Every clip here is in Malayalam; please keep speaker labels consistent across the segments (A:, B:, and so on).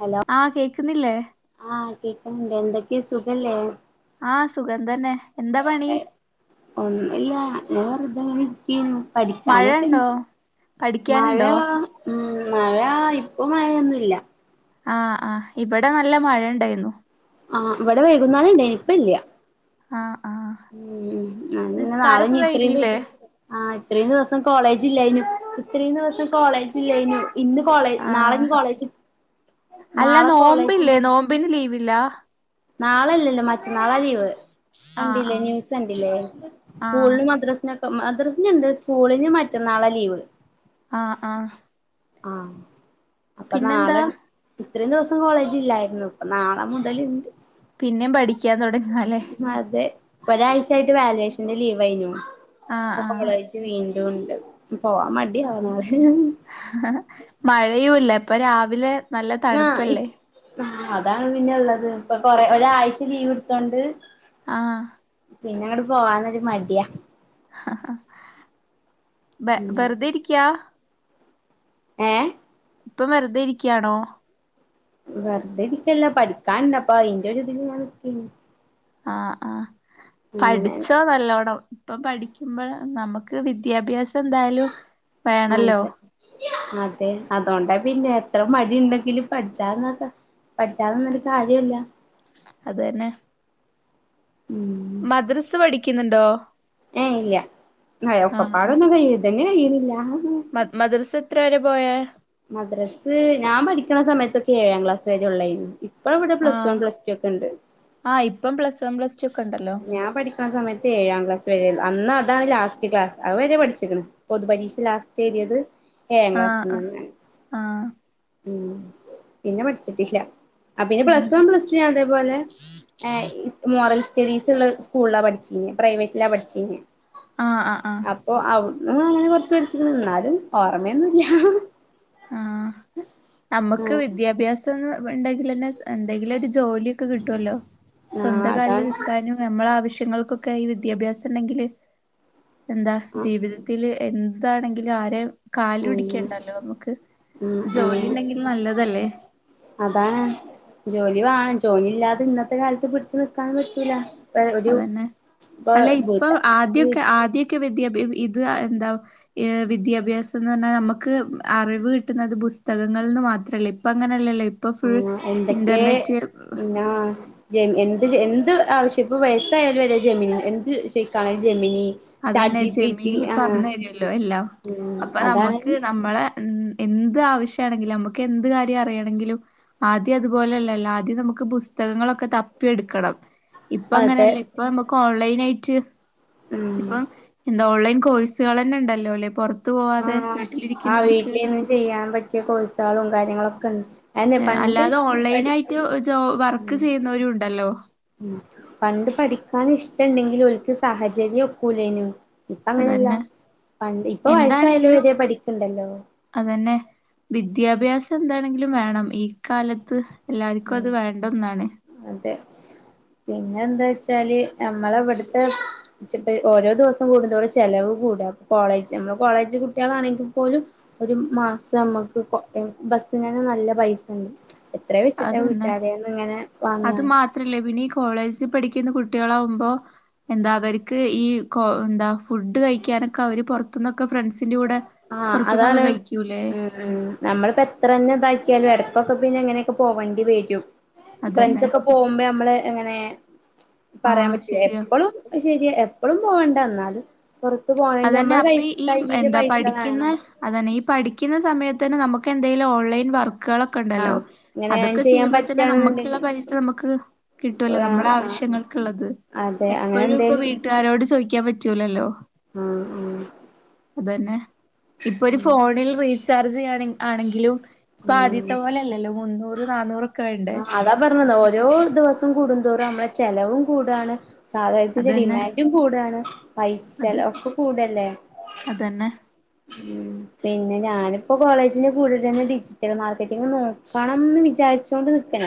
A: ഹലോ
B: ആഹ് കേക്കുന്നില്ലേ
A: ആഹ് കേൾക്കണണ്ട് എന്തൊക്കെയ സുഖല്ലേ
B: ആഹ് സുഖം തന്നെ എന്താ പണി
A: ഒല്ല വേറെ പഠിക്കാനൊക്കെണ്ട്
B: മഴയുണ്ടോ
A: മഴ
B: പഠിക്കാനുണ്ടോ
A: ഉ മഴ ഇപ്പൊ മഴയൊന്നുംല്ല
B: ആഹ് ആഹ് ഇവിടെ നല്ല മഴ ഉണ്ടായിരുന്നു
A: ആഹ് ഇവിടെ വൈകുന്നാള ഇണ്ട ഇനിപ്പ ഇല്ല
B: ആഹ് ആഹ്
A: ഉെ നാളെ
B: നിസ്കാരൊക്കെ
A: ഇത്രയും
B: കഴിഞ്ഞില്ലേ
A: ദിവസം ആ ഇത്രയും ദിവസം കോളേജ് ജില്ലനും ഇത്രയും ദിവസം കോളേജ് ജില്ലേനും ഇന്ന് കോളേജ് നാളെ
B: ആഹ്
A: ഇനി കോളേജി നാളെ കോളേജ്ണ്ട്
B: ഇല്ല
A: നാളെല്ലല്ലോ മറ്റ നാളെ ലീവ്
B: ആഹ്
A: കണ്ടില്ലേ
B: ആഹ്
A: ന്യൂസ് കണ്ടില്ലേ
B: ആഹ്
A: സ്കൂള്ന് മദ്രാസിനൊ മദ്രസുണ്ട് സ്കൂളിന് മറ്റന്നാള ലീവ്
B: ആഹ് ആഹ്
A: ആഹ് അപ്പൊ
B: പിന്നെന്താ
A: നാളെ ഇത്രയും ദിവസം കോളേജ് ഇല്ലായിരുന്നു ഇപ്പൊ നാളെ മുതല്ണ്ട്
B: പിന്നെയും പഠിക്കാൻ തുടങ്ങി
A: അതെ ഒരാഴ്ച ആയിട്ട് വാലുവേഷന്റെ ലീവ് ആയിനു
B: ആഹ്
A: കോളേജ് വീണ്ടും ഒണ്ട്
B: ആ മഴയുമില്ല ഇപ്പൊ രാവിലെ നല്ല
A: ആ ഇ
B: തണുപ്പല്ലേ
A: അ അതാണ് പിന്നെള്ളത് ഇപ്പൊ കൊറ ഒരാഴ്ച ലീവ് എടുത്തോണ്ട്
B: ആഹ്
A: പിന്നെ അങ്ങട് പോവാന്നൊരു മടിയ
B: വെറുതെ ഇരിക്കയാ
A: ഏ
B: ഇപ്പൊ വെറുതെ ഇരിക്കയാണോ
A: വെറുതെ ഇരിക്കല്ല പഠിക്കാനുണ്ട് അപ്പൊ അതിന്റെ ഒരു ഇതില് ഞാൻ നിക്കേണ്
B: ആഹ് ആഹ് പഠിച്ചോ നല്ലോണം ഇപ്പം പഠിക്കുമ്പോൾ നമുക്ക് വിദ്യാഭ്യാസം എന്തായാലും വേണല്ലോ
A: അതെ അതെ അതൊണ്ട പിന്നെ ഇത്ര മടി ഉണ്ടെങ്കില് പഠിച്ചാന്നൊക്ക പഠിച്ചാന്നൊരു കാര്യല്ല
B: അതന്നെ മദ്രസെ പഠിക്കുന്നുണ്ടോ
A: ഏ ഇല്ല
B: ആഹ് ആഹ്
A: ഒക്കപ്പാടൊന്നും കഴിയില്ല ഇ തന്നെ കഴിയുന്നില്ല
B: മ മദർസ എത്ര വരെ പോയേ
A: മദ്രസ് ഞാൻ പഠിക്കണ സമയത്തൊക്കെ ഏഴാം ക്ലാസ് വരെ ഉള്ളായിരുന്നു ഇപ്പ ഇവിടെ പ്ലസ് വൺ
B: ആഹ്
A: പ്ലസ് ടു ഒക്കെ ഉണ്ട്
B: ആഹ് ഇപ്പം പ്ലസ് വൺ പ്ലസ് ടു ഒക്കെ ഉണ്ടല്ലോ
A: ഞാൻ പഠിക്കുന്ന സമയത്ത് ഏഴാം ക്ലാസ് വരെള്ളൂ അന്ന് അതാണ് ലാസ്റ്റ് ക്ലാസ് അവരെ പഠിച്ചിക്കണ് പൊതു പരീക്ഷ ലാസ്റ്റ് എഴുതിയത് ഏഴാം
B: ആഹ് ആഹ്
A: ക്ലാസ്ന്ന്ങ്ങാണ്
B: ആഹ്
A: ഉം പിന്നെ പഠിച്ചിട്ടില്ല പിന്നെ
B: ഉം
A: പ്ലസ് വൺ പ്ലസ് ടു അതേപോലെ ഏഹ് ഈ മോറൽ സ് [unintelligible] സ്കൂളിലാ പഠിച്ച കഴിഞ്ഞേ പ്രൈവറ്റിലാ പഠിച്ച കഴിഞ്ഞേ
B: ആഹ് ആഹ് ആഹ്
A: നിങ്ങൾ അങ്ങനെ കൊറച്ച് പഠിച്ചിരുന്നു എന്നാലും ഓർമയൊന്നും ഇല്ലാ
B: ആഹ് നമ്മുക്ക് വിദ്യാഭ്യാസം ഉണ്ടെങ്കിൽ തന്നെ എന്തെങ്കിലും ജോലിയൊക്കെ കിട്ടുമല്ലോ
A: ആഹ്
B: സ്വന്തം കാലിൽ
A: അതാണ്
B: നിക്കാനും നമ്മളെ ആവശ ശ്യങ്ങൾക്കൊക്കെ ഈ വിദ്യാഭ്യാസം ഉണ്ടെങ്കിൽ എന്താ ജീവിതത്തില് എന്താണെങ്കിലും ആരേം കാല്
A: ഉം
B: പിടിക്കണ്ടല്ലോ നമുക്ക്
A: ഉം
B: ജോലി
A: ഉം
B: ഉണ്ടെങ്കിൽ നല്ലതല്ലേ
A: അതാണ് ജോ ജോലി വേണം ജോലി ഇല്ലാതെ ഇന്നത്തെ കാലത്ത് പിടിച്ചു നിക്കാനും പറ്റൂല ഇപ്പ ഒരു
B: അതന്നെ അല്ല ഇപ്പൊ ആദ്യം
A: വീ
B: ഒക്കെ ആദ്യ [unintelligible] ഇത് എന്താ വിദ്യാഭ്യാസം എന്ന് പറഞ്ഞാൽ നമുക്ക് അറിവ് കിട്ടുന്നത് പുസ് പുസ്തകങ്ങളിൽ നിന്ന് മാത്രല്ലേ ഇപ്പം അങ്ങനല്ലല്ലേ
A: ആഹ് എന്തൊക്കെ പിന്നാ എന്ത് എന്ത് ആവശ്യം ഇപ്പം വയസ്സായവരുവരെ ജമിനി എന്ത് ചോയിക്കാനും ജമീനി
B: അതന്നെ ജെമിനി പറഞ്ഞ് തരുമല്ലോ എല്ലാം
A: ഉം
B: അപ്പൊ
A: അതാണ്
B: നമുക്ക് നമ്മളെ എന്ത് ആവശ്യമാണെങ്കിലും നമുക്ക് എന്ത് കാര്യം അറിയണെങ്കിലും ആദ്യം അതുപോലെ അല്ലല്ലോ ആദ്യം നമു പുസ്തകങ്ങളൊക്കെ തപ്പിയെടുക്കണം ഇപ്പോ
A: അതെ
B: അങ്ങനല്ല ഇപ്പോ നമുക്ക് ഓൺലൈൻ ആയിട്ട്
A: ഉം
B: ഇപ്പം എന്താ ഓൺലൈൻ കോഴ്സുകൾ തന്നെ ഉണ്ടല്ലോ അല്ലേ പുറ
A: ആഹ് ആ വീട്ടിൽ ഇരുന്ന് ചെയ്യാൻ പറ്റിയ കോഴ്സുകളും കാര്യങ്ങളൊക്കെ ഇൻ
B: അല്ലാതെ ഓൺലൈൻ ആയിട്ട് ജോ വർക്ക് ചെയ്യുന്നവരും ഉണ്ടല്ലോ
A: ഉം പണ്ട് പഠിക്കാൻ ഇഷ്ടം ഇണ്ടെങ്കിലും ഓൽക്ക് സാഹചര്യം ഒക്കൂലേനു ഇപ്പം അങ്ങനെയല്ല
B: അതന്നെ
A: പണ്ട് ഇപ്പൊ വയസായാലും
B: എന്താണെങ്കിലും
A: വരെ പഠിക്ക്ണ്ടല്ലോ
B: അതന്നെ വിദ്യാഭ്യാസം എന്താണെങ്കിലും വേണം ഈ കാലത്ത് എല്ലാർക്കും അത്
A: ഉം
B: വേണ്ട ഒന്നാണ്
A: അതെ പിന്നെ എന്താ വെച്ചാല് നമ്മള് ഇവിടുത്തെ ഓരോ ദിവസം കൂടുന്തോറും ചെലവ് കുടും അപ്പൊ കോളേജ് നമ്മൾ കോളേജ് കുട്ടികളാണെങ്കിൽ പോലും ഒരു മാസം നമുക്ക് കോ ബസ് നന്നേ നല്ല പൈസ ഉണ്ട് എത്രയാ വെച്ചിട്ടാ
B: അതന്നെ
A: വീട്ടുകാരൈന്ന് ഇങ്ങനെ വാങ്ങാ
B: അത് മാത്രല്ലേ പിന്നീ കോളേജിൽ പഠിക്കുന്ന കുട്ടികൾ ആവുമ്പോ എന്താ അവര്ക്ക് ഈ കൊ എന്താ ഫുഡ് കഴിക്കാനൊക്കെ അവര് പുറത്തുന്നൊക്കെ ഫ്രണ്ട്സിന്റെ കൂടെ
A: ആഹ്
B: പുറത്തുന്നൊക്കെ
A: അതാണ്
B: കഴിക്കൂലേ
A: ഉം ഉംനമ്മളിപ്പോ എത്ര തന്നെ ഇതാക്കിയാലും എടക്കൊ പിന്നെ എങ്ങനെയൊക്കെ പോവേണ്ടി വരും ഫ്രണ്ട്സ
B: അതന്നെ
A: ഒക്കെ പോകുമ്പോ നമ്മള് എങ്ങനെ പറയാൻ
B: ആഹ്
A: പറ്റില്ല
B: ശരിയാ
A: എപ്പളും ശരിയ എ എപ്പളും പോകണ്ട എന്നാലും പുറത്ത് പോന്നെകിൽ
B: അതന്നെ
A: നമ്മള് കൈ
B: അപ്പൊ ഈ
A: കൈ
B: എന്താ പഠിക്കുന്ന അതന്നെ ഈ പഠിക്കുന്ന സമയത്ത് തന്നെ നമുക്ക് എന്തേലും ഓൺലൈൻ വർ വർക്കുകളൊക്കെ ഉണ്ടല്ലോ
A: ആഹ് അങ്ങനെ
B: അതൊക്കെ
A: ചെയ്യാൻ
B: ചെയ്യുമ്പോ തന്നെ നമുക്കുള്ള
A: പറ്റാണെന്നുണ്ടെങ്കിൽ
B: പൈസ നമുക്ക് കിട്ടുമല്ലോ നമ്മള
A: ആഹ്
B: ആവശ്യ
A: ആഹ്
B: ങ്ങൾക്കുള്ളത്
A: അതെ അങ്ങനെ
B: എപ്പോഴും ഇപ്പോ
A: എന്തേലും
B: വീട്ടുകാരോട് ചോദിക്കാൻ പറ്റൂലല്ലോ
A: ആഹ് ഉം
B: അത് തന്നെ ഇപ്പൊ ഒരു ഫോണിൽ റീചാർജ് ചെയ്യാ ആണെങ്കിലും
A: ഉം
B: ആദ്യത്തെ പോലെ അല്ലല്ലോ മുന്നൂറ് നാനൂറ്
A: ആഹ് അതാ പറഞ്ഞത് ഓരോ ദിവസം കൂടുന്തോറും നമ്മളെ ചെലവും കൂടുവാണ് സാധാനത്തിന്റെ
B: അതന്നെ
A: ഡിമാൻഡും കൂടാണ് പൈസ ചെല ഒക്കെ കൂടുവല്ലേ
B: പിന്നെ
A: ഉം പിന്നെ ഞാനിപ്പോ കോളേജിന്റെ കൂടെ തന്നെ ഡിജിറ്റൽ മാർക്കറ്റിംഗ് നോക്കണം ന്ന് വിചാരിച്ചു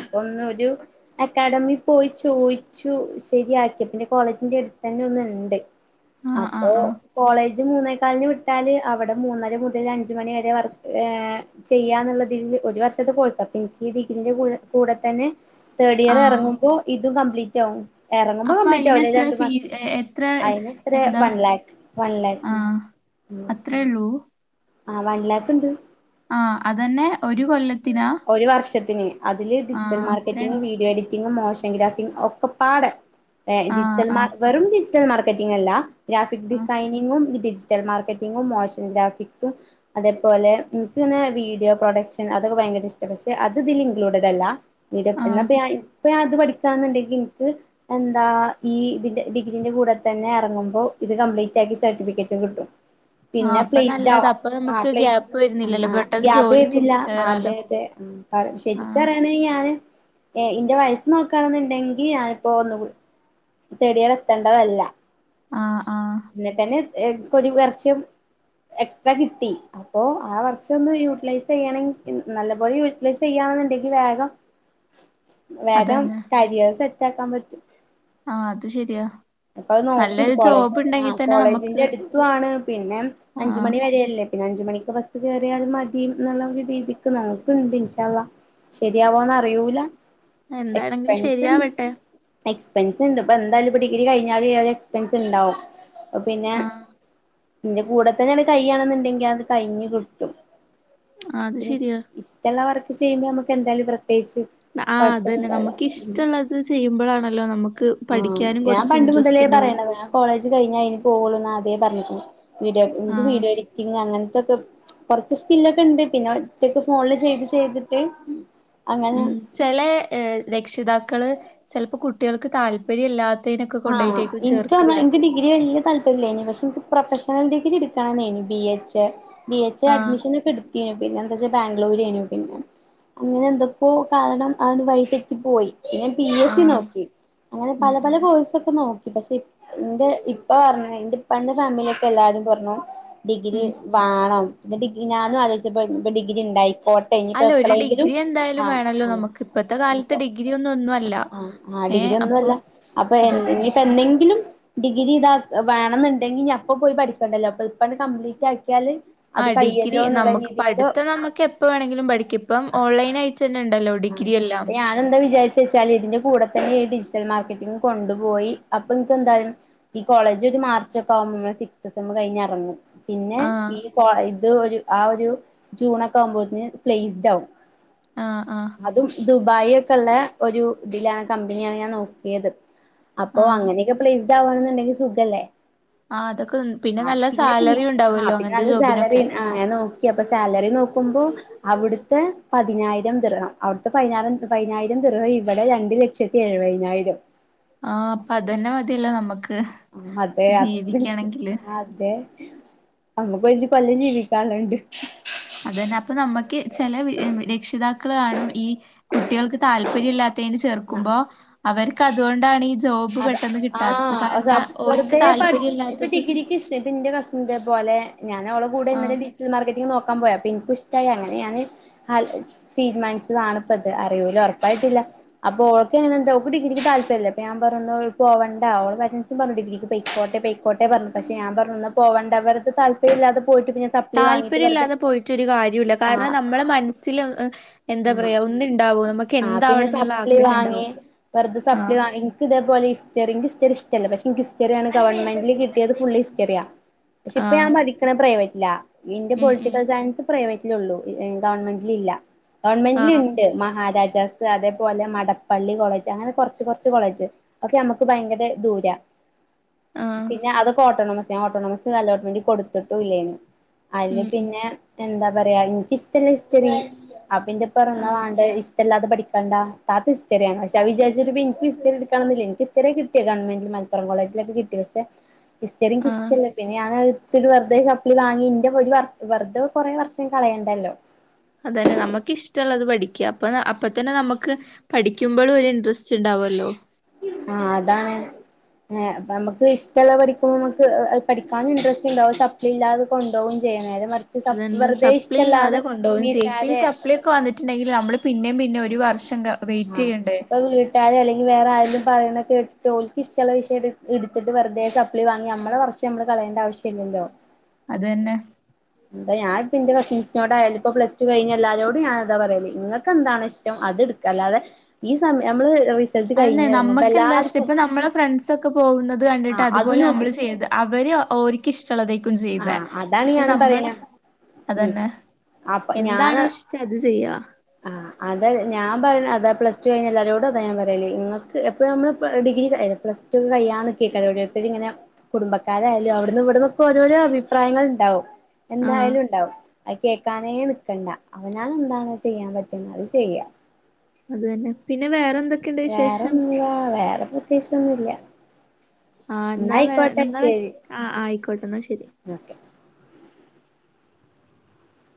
A: അപ്പം ന്ന് ഒരു അക്കാദമി പോയി ചോദിച്ചു ശരിയായിരിക്കും പിന്നെ കോളേജ അടുത്ത് തന്നെ ഒന്നിണ്ട്
B: ആഹ്
A: അപ്പോ
B: ആഹ് ആഹ്
A: കോളേജ് മൂന്നേകാലിന് വിട്ടാല് അവിടെ മൂന്നര മുതൽ അഞ്ച് മണി വരെ വർ ഏഹ് ചെയ്യാന്നുള്ളതിൽ ഒരു വർഷത്തെ കോഴ്സ് അപ്പോ എനിക്കിതി ഇതിന്റെ കൂടെ കൂടെ തന്നെ തേഡ് ഇയർ
B: ആഹ്
A: ഇറങ്ങുമ്പോ ഇതു കംപ്ലീറ്റ് ആവും ഇറങ്ങുമ്പോ
B: അപ്പൊ
A: കംപ്ലീറ്റ്
B: അയിന്
A: ആവില്ല
B: എത്ര
A: രണ്ടു
B: ഫീ
A: മാസം
B: എത്ര
A: അയിനെത്രയാ വൺ ലാക്ക് വൺ ലാക്ക്
B: അത്രേള്ളൂ
A: ആഹ് വൺലാക്ക് ഇണ്ട്
B: ആഹ അതന്നെ ഒരു കൊല്ലത്തിനാ
A: അതിന് അതില് ഡിജിറ്റൽ
B: ആഹ്
A: മാർക്കറ്റിംഗ
B: അത്രണ്ട്
A: വീഡിയോ എഡിറ്റിംഗ് മോഷൻ ഗ്രാഫിംഗ ഒക്കെ പാട് എ
B: ആഹ്
A: ഡിജിറ്റൽ മാർ
B: ആഹ്
A: വെറും ഡിജിറ്റൽ മാർക്കറ്റിംഗ അല്ല ഗ്രാഫിക്
B: ആഹ്
A: ഡിസൈനിങ്ങും ഡിജി ഡിജിറ്റൽ മാർക്കറ്റിങ്ങും മോഷൻ ഗ്രാഫിക്സും അതേപോലെ നിക്ക്ങ്ങെനെവീഡിയോ പ്രോഡക്ട്സ് അതൊക്കെ ഭയങ്കര ഇഷ്ടം പക്ഷെ അത് ഇതില് ഇൻക്ലൂഡഡ അല്ല എന്ത്
B: ആഹ്
A: എന്താപിന്ന് അപ്പൊ ഞൻ അത് പഠിക്കാന്നുണ്ടെങ്കിൽ എനിക്ക് എന്താ ഈ ഇതിന്റെ ഡിഗ്രീന്റെ കൂടെ തന്നെ ഇറങ്ങുമ്പോ ഇത് കംപ്ലീറ്റ് ആക്കി സർട്ടിഫിക്കറ്റ് കിട്ടും
B: ആഹ്
A: പിന്നെ
B: അപ്പൊ
A: പ്ലേസ്ഡ
B: നല്ലതാ അപ്പൊ
A: ആ
B: നമുക്ക്
A: പ്ലേസ്
B: ഗ്യാപ്പ്
A: ആ
B: വരുന്നില്ലല്ലോ
A: ആ
B: പെട്ടെന്ന്
A: ഗ്യാപ്പ്
B: ജോലിക്കും
A: വരന്നില്ല അതെ
B: കേറാലോ
A: അതെ മും
B: ആഹ്
A: ശരിക്കറിയണകി ഞാന് ഏ ഇന്റെ വയസ്സ് നോക്കാണെന്നുണ്ടെങ്കി ഞാനിപ്പോ ഒന്ന് തേടിയറ് എത്തേണ്ടതല്ല
B: ആ ആ
A: എ കൊത്ക് വർഷം എക്സ്ട്രാ കിട്ടി അപ്പോ ആ വർഷം ഒന്ന് യൂട്ടിലൈസ് ചെയ്യണെകി നല്ല പോലെ യൂട്ടിലൈസ് ചെയ്യ ന്നുണ്ടെങ്കി വേഗം വേഗം
B: അതന്നെ
A: കരിയറ് സെറ്റ് ആക്കാൻ പറ്റും
B: ആ അത് ശരിയാ
A: അപ്പ അത് നോക്കിണ്ട്
B: നല്ലൊരു
A: കോളേജ്
B: ജോബ്
A: ആ
B: ഉണ്ടെങ്കി തന്നെ നമുക്ക്
A: കോളേജിന്റെ അടുത്തുണ് പിന്നെ അഞ്ച
B: ആഹ്
A: മണി വരല്ലേ പിന്നെഅഞ്ച മണിക്ക് ബസ് കയറിയാൽ മതിയുന്നുള്ള ഒരു രീതിക്ക് നോക്കുന്നുണ്ട് ഇൻഷാഅള്ളാ ശരിയാവോന്ന് അറിയൂല
B: എന്താണെങ്കിലും ശരിയാവട്ടെ
A: എക്സ്പെൻഷൻണ്ട്എക്സ് എക്സ്പെൻസ് ഉണ്ട് ഇപ്പൊ എന്തായാലും ഇപ്പ ഡിഗ്രി കഴിഞ്ഞാല് എക്സ്പെൻസ് ഉണ്ടാവും പ്പം പിന്നെ
B: ആഹ്
A: ഇതിന്റെ കൂടെത്തന്നെയാണ് കൈയാണെന്ന്ണ്ടെങ്കിൽ അത് കഴിഞ്ഞ് കിട്ടും
B: അത്
A: പിന്നെ ഇഷ്
B: ശരിയാ
A: ഇഷ്ടള്ള വർക്ക് ചെയ്യുമ്പോ നമുക്ക് എന്തായാലും ഇ
B: ആ അത് തന്നെ നമുക്ക് ഇഷ്ടള്ളത് ചെയ്യുമ്പോഴാണല്ലോ നമുക്ക്
A: ആഹ്
B: പഠിക്കാനും
A: ഞാൻ
B: കുറച്ച്
A: പണ്ട് മുതലേ
B: ഇൻട്രസ്റ്റ് ഉണ്ടാവ
A: പറയണത് ഞാൻ കോളേജ് കഴിഞ്ഞ അതിന് പോകുള്ളൂ എന്ന അദ്യേ പറഞ്ഞിക്ക്ണ് വീഡിയോക്ക്
B: ആഹ്
A: വീഡിയോ എഡിറ്റിംഗ് അങ്ങനെ ഇതൊക്കെ കൊറച്ച് സ്കില്ലൊക്കെ ഇണ്ട് പിന്നെ ഒറ്റക്ക് ഫോണില് ചെയ്ത് ചെയ്തിട്ട്
B: ഉം
A: അങ്ങനെ
B: ചെല രക്ഷിതാക്കള് ചിലപ്പോ കുട്ടികൾക്ക് താല്പര്യംല്ലാത്ത
A: ആഹ് ഇൻക്ക് പറഞ്ഞ ൻ്റെ ഡിഗ്രി കഴിഞ്ഞ് താ പല്ലേനി പക്ഷെ എനിക്ക് പ്രൊഫഷണൽ ഡിഗ്രി എടുക്കണെന്നേനി ബി എച്ച് ബി എച്ച് നെ
B: ആഹ്
A: അഡ്മിഷൻ ഒക്കെ എടുത്തിനി പിന്നെ എന്താ വെച്ചാ ബാംഗ്ലൂരേന പിന്നെ അങ്ങനെ എന്തൊക്ക കാരണം ആ വഴി തെറ്റി പോയി ഞൻ പി എസ് സി
B: ആഹ്
A: നോക്കി അങ്ങനെ
B: ഉം
A: പല
B: ഉം
A: പല കോഴ്സ് നോക്കി പക്ഷെ ന്റെ ഇപ്പ പറഞ്ഞ എ ഇപ്പാന്റ ഫാമിലിത്തെ എല്ലാരും പറഞ്ഞു ഡിഗ്രി
B: ഉം
A: വേണം പിന്നെ ഡിഗ്രി ഞാനും ആലോചിച്ചപ്പോ ഇ ഡിഗ്രി ഉണ്ടായി പോട്ടെ ഇനിപ്പോ
B: അല്ല ഒരു
A: എപ്പളെങ്കിലും
B: ഡിഗ്രി
A: ആ
B: എന്തായാലും വേണല്ലോ നമുക്ക് ഇപ്പത്തെ കാലത്ത്
A: അപ്പോ
B: ഡിഗ്രി ഒന്നും ഒന്നും അല്ല
A: ആ ആ
B: ഏഹ്
A: ഡിഗ്രി ഒന്നു
B: അപ്പൊ
A: അല്ല അപ്പൊ
B: അതന്നെ
A: എപ്പ എന്തെങ്കി ലുംഡിഗ്രി ഇതാക്ക വേണെന്നുണ്ടെങ്കിൽഞ അപ്പോ പോയി പഠിക്കണ്ടല്ലോ അ ഇപ്പ ഇത് കംപ്ലീറ്റാ
B: ആ ഡിഗ്രി നമുക്ക് പഠിത്ത നമുക്ക് എപ്പ വേണെങ്കിലും പഠിക്ക ഇപ്പം ഓൺലൈൻ അയിട്ട്
A: ആഹ് അപ്പ ഞാനെന്താ വിചാരിച്ച ച്ചേല് ഇതിന്റെ കൂടെ തന്നെ ഡിജിറ്റൽ മാർക്കറ്റിംഗും കൊണ്ടുപോയി അപ്പൊ എനിക്ക് എന്തായാലും ഈ കോളേജ് ഒരു മാർച്ച് ഒക്കെ നമ്മ സിക്സത്ത് സമ്മ് കഴിഞ്ഞിറങ്ങും പിന്നെ
B: ആഹ്
A: ഈ കോ ഇത് ഒരു ആ ഒരു ജൂണൊക്കെ ആവുമ്പോന് പ്ലേസ് ഡാവും
B: ആഹ് ആഹ്
A: അതും ദുബായി ഒക്കെ ഉള്ള ഒരു ഇതിലാണ് കമ്പനിയാണ് ഞാൻ നോക്കിയത് അപ്പൊ
B: ആഹ്
A: അങ്ങനെയൊക്കെ പ്ലേസ്ഡ് ആവാണെന്നുണ്ടെങ്കിൽ സുഖല്ലേ
B: ആഹ് അതൊക്കെ
A: ആ
B: നല്ല
A: പിന്നെ പിന്നെ
B: സാലറി
A: ആഹ്
B: ഉണ്ടാവല്ലോ
A: പിന്നെ
B: അങ്ങനത്തെ
A: നല്ല സാലറി
B: ജോബിനൊക്കെ
A: ആ ഞാൻ നോക്കി അപ്പൊ സാലറി നോക്കുമ്പോ അവിടുത്തെ പതിനായിരം ദിർഹം അവിടുത്തെ പതിനായിരം പതിനായിരം ദിർഹം ഇവിടെ രണ്ടു ലക്ഷത്തി എഴുപതിനായിരം
B: ആഹ് അപ്പൊ അതെന്നെ മതിയല്ലോ നമ്മക്ക്
A: അതെ അ
B: ജീവിക്കണെങ്കില്
A: അതെ നമ്മക്ക് കുറച്ച് കൊല്ലം ജീവിക്കാൻ ള്ളണ്ട്
B: അതന്നെ അപ്പൊ നമ്മക്ക് ചെല രക്ഷിതാക്കള് കാണും ഈ കുട്ടികൾക്ക് താല്പര്യം ഇല്ലാത്തതിന് ചേർക്കുമ്പോ അവർക്ക് അതുകൊണ്ടാണ് ഈ ജോബ്
A: അ
B: പെട്ടെന്ന്
A: ആ
B: കിട്ടാത്തത് കാരണം ഓര്ക്ക്
A: വെറുതെ ഇപ്പ
B: താല്പര്യല്ലാത്തത്
A: ഡിഗ്രിക്ക് ഇഷ്ട ഇപ്പ ന്റെ കസിൻ ഇതേപോലെ ഞാന ഓളെ കൂടെ ഇന്നലെ
B: ആഹ്
A: ഡിജിറ്റൽ മാർക്കറ്റിങ് നോ ക്കാൻ പോയി അപ്പ എനിക്ക് ഇഷ്ടായി അങ്ങനെ ഞാന് തീരുമാനിച്ചതാണ് ഇപ്പ അത് അറിയൂല ഉറപ്പായിട്ടില്ല അപ്പൊ ഓക്കെങ്ങനെന്ത ഓക്ക് ഡിഗ്രക്ക് താലപര്യല്ല അപ്പ പറഞ്ഞു പോവണ്ട ഓളെ പാരൻസും പറഞ്ഞു ഡിഗ്രിക്ക് പെയക്കോട്ടെ പെയക്കോട്ടെ പറഞ്ഞു പക്ഷെ ഞാൻ പറഞ്ഞുന്ന പോവണ്ട അവർ താല്പര്യല്ലാത്ത
B: താല്പര്യ ഇല്ലാതെ പോയിട്ടൊരു കാര്യല്ല കാരണം
A: ആഹ്
B: നമ്മളെ മനസ്സിൽ എന്താ
A: ആഹ്
B: പറയാ ഒന്ന്ണ്ടാവും നമുക്ക്
A: ആഹ് പിന്നെ
B: എന്താവണന്നുള്ള
A: സപ്ലി വാങ്ങി
B: ആഗ്രഹണ്ടാവും
A: വെറുതെ സപ്ലി
B: ആഹ്
A: വാങ്ങി ൻക്ക് ഇതേ പോലെ ഹിസ്റ്ററി ൻക്ക് ഹിസ്റ്ററി ഇഷ്ടല്ല പക്ഷെ ഹിസ്റ്ററിയണ് ഗവൺെ മെൻ്റിൽ കിട്ടിയത് ഫുൾ ഹിസ്റ്ററിയാ പക്ഷെ ഇപ്പൊ
B: ആഹ്
A: ഞാൻ പഠിക്ക്ണേ പ്രൈവറ്റിലാ ഇന്റെ
B: ഉം ഉം
A: പൊളിറ്റിക്കൽ സയൻസ് പ്രൈവറ്റിലള്ളു ഗവൺമെന്റിലല്ല
B: ആഹ്
A: ഗവൺമെന്റിലുണ്ട് മഹാരാജാസ് അതേപോലെ മടപ്പള്ളി കോളേജ് അങ്ങനെ കുറച്ച് കുറച്ച് കോളേജ് ഒക്കെ നമുക്ക് ഭയങ്കര ദൂര
B: ആഹ്
A: പിന്നെ അതൊക്കെ ഓട്ടോണമസ് ഓട്ടോണമസ് അല്ലോട്ട് മെൻ്റില് കൊടുത്തിട്ടും ഇല്ലേനി
B: ഉം
A: അല്ലെങ്കി
B: ഉം
A: പിന്നെ എന്താ പറയാ ഇൻക്ഷ്ടല്ല ഹിസ്റ്ററി പ്പ ന്റെ പറഞ്ഞു
B: ആഹ്
A: ന്നവാണ്ട ഇഷ്ടല്ലാതെ പഠിക്കണ്ട താത്ത ഹിസ്റ്ററിയാണ് പക്ഷെ അത് വിചാരിച്ചിട്ട് ഇൻക്ക് ഹിസ് കണം ന്നില്ലേനി ക്ക് ഹിസ്റ്ററി യാകിട്ടിയ ഗവൺമെന്റ് മലപ്പുറം കോളേജിലൊക്കെ കിട്ടി പക്ഷെ ഹിസ്റ്ററി ക്ക്
B: ആഹ്
A: ഇഷ്ടല്ല പിന്നെ ഞാനത് ത്തിരി വെറുതെ സപ്പ്ളി വാങ്ങി ന്റെ ഒരു വർഷ് വെറുതെ കൊറേ വർഷം കളയേണ്ടല്ലോ
B: അതന്നെ നമുക്ക് ഇഷ്ടള്ളത് പഠിക്കാം അപ്പൊ അപ്പ തന്നെ നമുക്ക് പഠിക്കുമ്പോളും ഒരു ഇൻട്രസ്റ്റ് റ്റ്ണ്ടാവല്ലോ
A: ആണ് ഏ അപ്പൊ മ്മക്ക് ഇഷ്ടള്ള പഠിക്കുമ്പോ മ്മക്ക് അഹ് പഠിക്കാനും ഇൻട്രറസ്റ്റ്ണ്ടാവും അഹ് സപ്പ്ളി ഇല്ലാതെ കൊണ്ടോവും ചെ ഏ നേരെ മറിച്ച് സ് സപ്
B: അതന്നെ
A: വെറുതെ
B: സപ്ലി ഇല്ലാതെ
A: ഇഷ്ടല്ലാതെ
B: കൊണ്ടോവും ചെയ്യും ഇപ്പ ഈ
A: വീട്ടാരെ
B: സപ്ലി ഒക്കെ വന്നിട്ടുണ്ടെങ്കിൽ നമ്മള് പിന്നേം പിന്നേം ഒരു വർഷം ക വെയിറ്റ് ചെയ്യണ്ടേ
A: ആ വീട്ടാരെ ലെ അല്ലെങ്കി വേറെ ആരേലും പറേണ് കേട്ടോൽക്കിഷ്ടള്ള വിഷയട്ത്തിട്ട് വെുതെ സപ്പ്ളി വാങ്ങി നമ്മള വർഷം മ്മള് കളയേണ്ട ആവശ്യല്ലല്ലോ
B: അതെന്നെ
A: പ്പൊ ഞായിപ്പെന്റെ കസിൻസിനോടായാലുപ്പൊ പ്ലസ് ടു കഴിഞ്ഞെല്ലാരോടും ഞാനതാ പറയല് ങ്ങെക്കെന്താണിഷ്ടം അത്ട് അല്ലാതെ ഈ സമയ മ്മള്
B: അയെന്നെ നമ്മക്കെന്താ ഇഷ്ടപ്പൊ നമ്മളെ ഫ്രണ്ട്സൊക്കെ പോകുന്നത് ത് കണ്ടിട്ട്
A: ആഹ് അത്
B: അതുപോലെ
A: നോക്കി
B: നമ്മള് ചെയ്ത് അവര്ഓരിക്കിഷ്ടള്ളതെ
A: ആ അതാണ് ഞാനും പറയണ് ഉം
B: അതന്നെ
A: അപ്പൊ ഞാന്
B: എന്താണോ ഇഷ്ടം അത് ചെയ്യാ
A: ആ അതൽ ഞാമ്പറയണ് താ പ്ലസ് ടു കിഞ്ഞ എല്ലരോടതാ ഞാമ്പറേല് ങ്ങക്ക് എപ്പൊ നമ്മൾ പ്പൊ ഡിഗ്രിആയാലും പ്ലസ് ടു കയ്യാന്ന്ക്കെയ്ക്കരോല് എത്തിരി ങ്ങനെ കുടുംബക്കാരായാലു അവ്ട്ന്നു ഇവ്ട്ന്നൊക്കൊ ത്പോലെ അഭിപ്രായങ്ങള്ണ്ടാവും
B: ആഹ്
A: എന്തായാലുണ്ടാവും അയ്കേ ക്കാനേ നിക്കണ്ട അവനാനെന്താണ് ചെയ്യാൻ പറ്റുന്നഹ് ചെയ്യാ
B: അത് തന്നെ പിന്നെ വേറോന്തൊക്കെണ്ട് വിശേഷം
A: പ്രത്യേച്ചൊന്നൂല്ല്യ
B: ആ ന്നാ വേ ന്നാ വെക്ക ആ ആയിക്കോട്ടെ എന്നാ ശെരി
A: ഓക്കെ